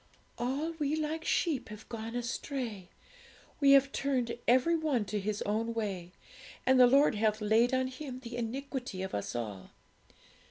'"All we like sheep have gone astray; we have turned every one to his own way; and the Lord hath laid on Him the iniquity of us all."